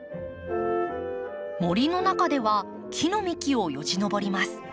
森の中では木の幹をよじのぼります。